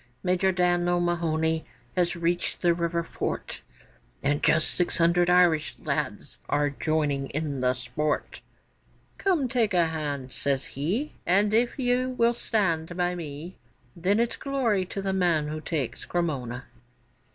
Major Dan O'Mahony has reached the river fort, And just six hundred Irish lads are joining in the sport; 'Come, take a hand!' says he, 'And if you will stand by me, Then it's glory to the man who takes Cremona!